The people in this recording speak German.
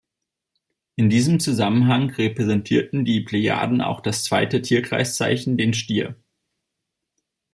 In diesem Zusammenhang repräsentierten die Plejaden auch das zweite Tierkreiszeichen, den Stier.